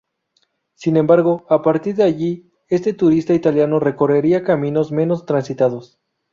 Sin embargo, a partir de allí este turista italiano recorrería caminos menos transitados.